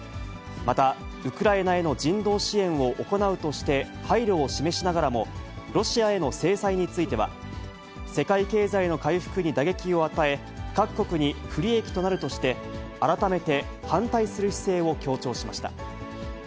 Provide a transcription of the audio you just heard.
またウクライナへの人道支援を行うとして、配慮を示しながらも、ロシアへの制裁については、世界経済の回復に打撃を与え、各国に不利益となるとして、改めて反対する姿勢を強調しました。